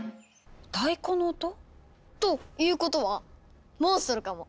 太鼓の音？ということはモンストロかも。